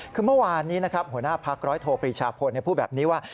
คือเมื่อวานนี้นะครับหัวหน้าพักร้อยโทปรีชาพลพูดแบบนี้ว่า